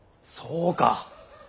そうか。